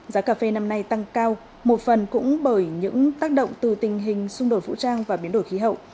giá cà phê năm nay tăng cao một phần cũng bởi những tác động từ tình hình xung đột vũ trang và biến đổi khí hậu